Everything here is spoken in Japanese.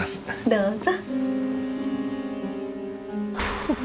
どうぞ。